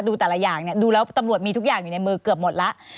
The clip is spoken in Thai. แต่ละอย่างเนี่ยดูแล้วตำรวจมีทุกอย่างอยู่ในมือเกือบหมดแล้ว